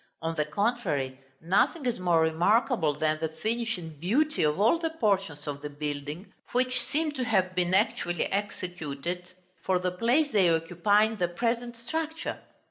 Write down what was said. On the contrary, nothing is more remarkable than the finish and beauty of all the portions of the building, which seem to have been actually executed for the place they occupy in the present structure.